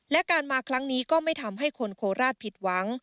และการมาครั้งนี้ก็ไม่ทำให้คนโคราชผิดหวัง